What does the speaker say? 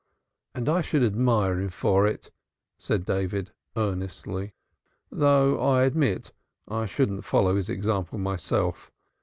"And I should admire him for it," said David, earnestly, "though I admit I shouldn't follow his example myself.